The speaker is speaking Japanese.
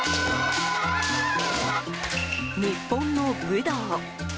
日本の武道。